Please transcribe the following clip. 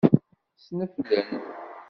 Ssneflen.